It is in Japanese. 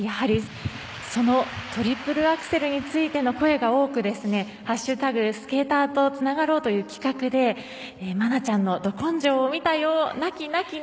そのトリプルアクセルについての声が、多く「＃スケーターとつながろう」という企画で愛菜ちゃんのド根性を見たよ泣、泣、泣。